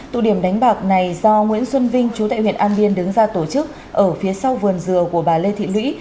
tụ điểm đánh bạc này do nguyễn xuân vinh chú tại huyện an biên đứng ra tổ chức ở phía sau vườn dừa của bà lê thị lũy